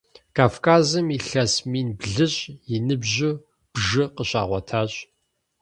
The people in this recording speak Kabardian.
Кавказым илъэс мин блыщӏ и ныбжьу бжы къыщагъуэтащ.